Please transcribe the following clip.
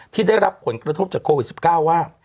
ที่ได้รับผลกระทบจากโควิด๑๙ว่า